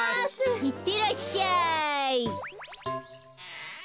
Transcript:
いってらっしゃい。